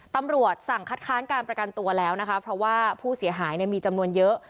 ตำรวจสั่งคัดค้านการประกันตัวแล้วนะคะเพราะว่าผู้เสียหายมีจำนวนเยอะ